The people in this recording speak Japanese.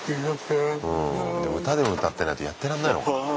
でも歌でも歌ってないとやってらんないのかな。